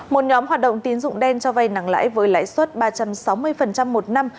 một nhóm hoạt động tín dụng đen cho vay nặng lãi với lãi suất ba trăm sáu mươi một năm